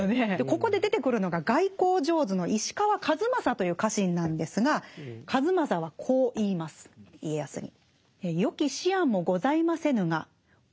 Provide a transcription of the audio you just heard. ここで出てくるのが外交上手の石川数正という家臣なんですが数正はこう言います家康に。